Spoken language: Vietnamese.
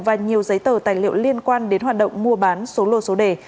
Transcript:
và nhiều giấy tờ tài liệu liên quan đến hoạt động mua bán số lô số đề